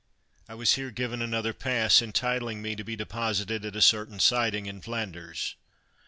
I was here given another pass entitling me to be deposited at a certain siding in Flanders.